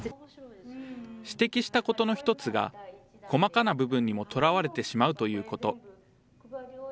指摘したことの一つが、細かな部分にもとらわれてしまうということ。